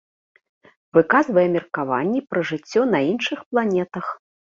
Выказвае меркаванні пра жыццё на іншых планетах.